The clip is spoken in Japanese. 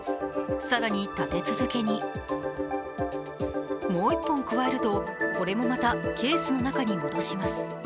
更に、立て続けにもう一本くわえると、これもまたケースの中に戻します。